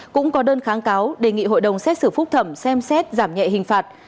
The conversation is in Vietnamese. cũng có đơn kháng cáo đề nghị hội đồng xét xử phúc thẩm xem xét giảm nhẹ hình phạt